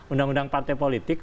undang undang partai politik